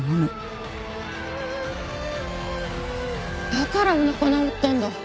だからおなか治ったんだ。